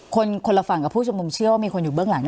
คนละฝั่งกับผู้ชมนุมเชื่อว่ามีคนอยู่เบื้องหลัง